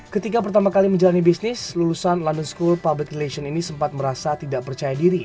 ketika pertama kali menjalani bisnis lulusan london school public relation ini sempat merasa tidak percaya diri